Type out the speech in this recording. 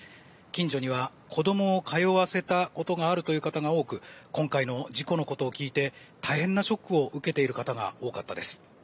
近所には子供を通わせたことがあるという方が多く今回の事故のことを聞いて大変なショックを受けている方が多かったです。